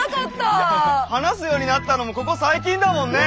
話すようになったのもここ最近だもんね。ね